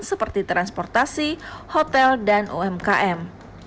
seperti transportasi hotel dan umkm